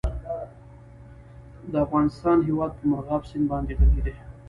د افغانستان هیواد په مورغاب سیند باندې غني دی.